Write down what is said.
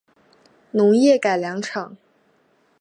农业改良场